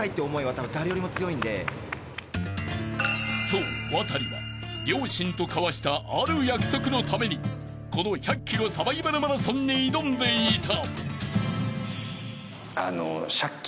［そうワタリは両親と交わしたある約束のためにこの１００ｋｍサバイバルマラソンに挑んでいた］